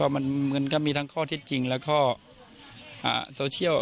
มันก็มีทั้งข้อเท็จจริงและข้อโซเชียล